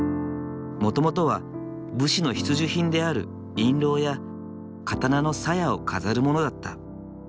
もともとは武士の必需品である印籠や刀の鞘を飾るものだった。